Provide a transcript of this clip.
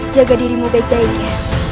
jaga dirimu baik baik ya